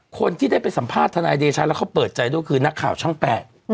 คนที่ได้ไปสัมภาษณ์ทนายเดชาแล้วเขาเปิดใจด้วยคือนักข่าวช่อง๘